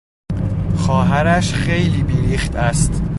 خواهرش خیلی بیریخت است.